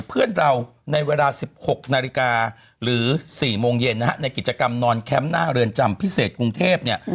เพื่อนเราในเวลา๑๖นาฬิกาหรือ๔โมงเย็นนะฮะในกิจกรรมนอนแคมป์หน้าเรือนจำพิเศษกรุงเทพเนี่ย